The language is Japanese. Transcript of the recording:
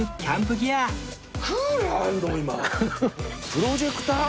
プロジェクター？